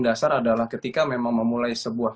dasar adalah ketika memang memulai sebuah